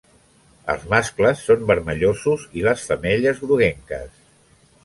Els mascles són vermellosos i les femelles groguenques.